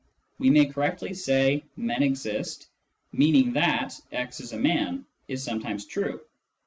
We may correctly say " men exist," meaning that " x is a man " is some times true.